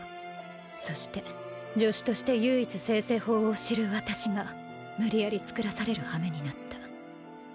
そして助手として唯一精製法を知る私が無理やりつくらされる羽目になった。